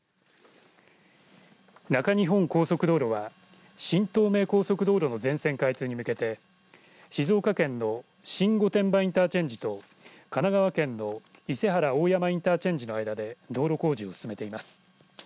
中日本高速道路は新東名高速道路の全線開通に向けて静岡県の新御殿場インターチェンジと神奈川県の伊勢原大山インターチェンジの間で道路工事を進めています。